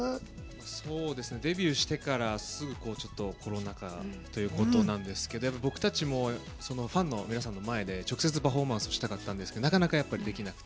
デビューしてからすぐコロナ禍っていうことで僕たちもファンの皆さんの前で直接パフォーマンスしたかったんですけどなかなか、できなくて。